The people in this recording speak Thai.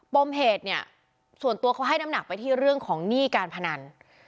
ปมเหตุเนี่ยส่วนตัวเขาให้น้ำหนักไปที่เรื่องของหนี้การพนัน